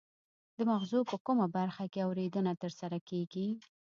د مغزو په کومه برخه کې اوریدنه ترسره کیږي